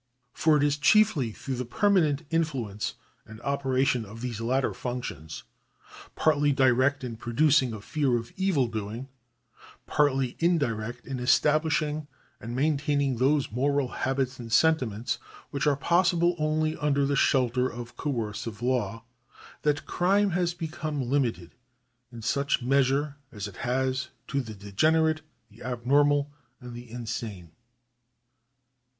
For it is chiefly through the permanent influence and operation of these latter § 30] THE ADMINISTRATION OF JUSTICE 70 functions, partly direct in producing a fear of evildoing, partly indirect in establishing and maintaining those moral habits and sentiments which are possible only under the shelter of coercive law, that crime has become limited, in such measure as it has, to the degenerate, the abnormal, and the insane.